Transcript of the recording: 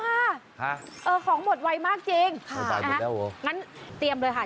ฮะเออของหมดไวมากจริงค่ะนะฮะงั้นเตรียมเลยค่ะ